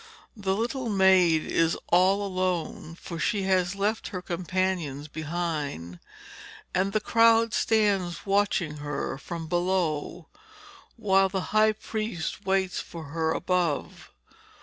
The little maid is all alone, for she has left her companions behind, and the crowd stands watching her from below, while the high priest waits for her above.